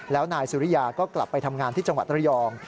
แล้วนายสุริยาก็กลับไปทำงานที่จังหวัดระยอง